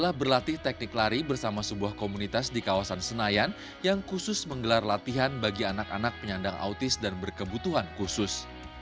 dan berlatih teknik lari bersama sebuah komunitas di kawasan senayan yang khusus menggelar latihan bagi anak anak penyandang autis dan berkebutuhan khusus